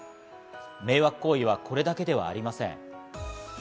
迷惑行為はこれだけではありません。